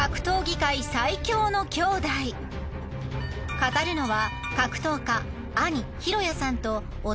語るのは。